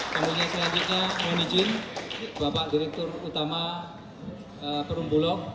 kemudian selanjutnya mohon izin bapak direktur utama perumbulok